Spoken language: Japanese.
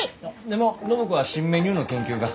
でも暢子は新メニューの研究が。